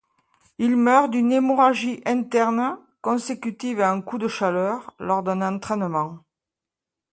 Il meurt d'une hémorragie interne consécutive à un coup de chaleur lors d'un entraînement.